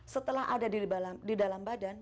setelah ada di dalam badan